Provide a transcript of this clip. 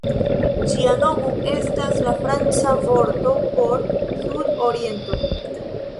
Ĝia nomo estas la franca vorto por "sud-oriento".